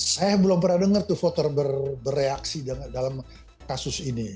saya belum pernah dengar tuh voter bereaksi dalam kasus ini